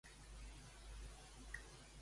Què li va ocórrer?